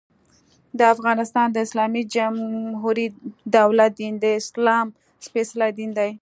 د افغانستان د اسلامي جمهوري دولت دين، د اسلام سپيڅلی دين دى.